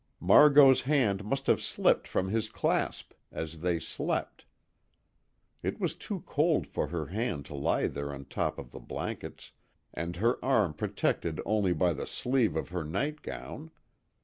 Margot's hand must have slipped from his clasp as they slept. It was too cold for her hand to lie there on top of the blankets, and her arm protected only by the sleeve of her nightgown.